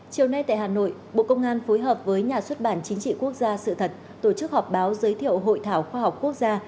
chiều nay tại hà nội bộ công an phối hợp với nhà xuất bản chính trị quốc gia sự thật tổ chức họp báo giới thiệu hội thảo khoa học quốc gia